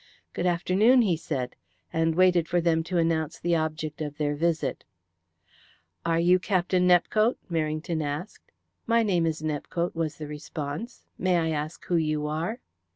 "Good afternoon," he said, and waited for them to announce the object of their visit. "Are you Captain Nepcote?" Merrington asked. "My name is Nepcote," was the response. "May I ask who you are?"